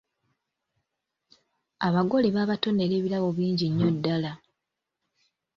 Abagole babatonera ebirabo bingi nnyo ddala.